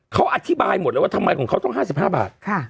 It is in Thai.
เขาอธิบายหมดเลยว่าทำไมของเขาต้อง๕๕บาท